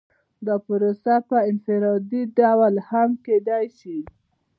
دا پروسه په انفرادي ډول هم کیدای شي.